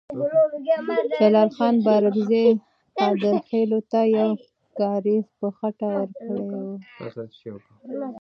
جلال خان بارکزی قادرخیلو ته یو کارېز په خټه ورکړی وو.